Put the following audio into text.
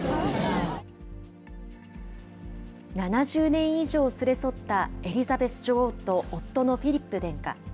７０年以上連れ添ったエリザベス女王と夫のフィリップ殿下。